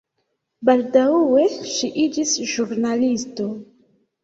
Baldaŭe ŝi iĝis ĵurnalisto.